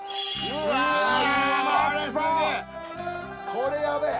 これやべえ！